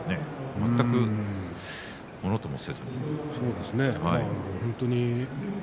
全くものともせずに。